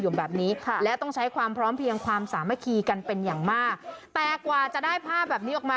ไม่คีย์กันเป็นอย่างมากแต่กว่าจะได้ภาพแบบนี้ออกมา